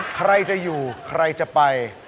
ใครจะอยู่ใครจะไป